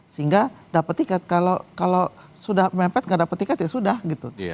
sehingga dapat tiket kalau sudah mepet nggak dapat tiket ya sudah gitu